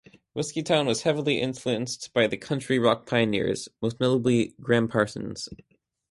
Whiskeytown was heavily influenced by the country-rock pioneers, most notably Gram Parsons.